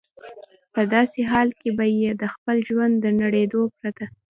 په داسې حال کې به یې د خپل ژوند د نړېدو پرته.